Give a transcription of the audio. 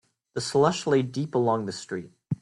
The slush lay deep along the street.